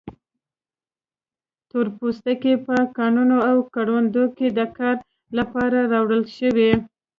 تور پوستکي په کانونو او کروندو کې د کار لپاره راوړل شوي.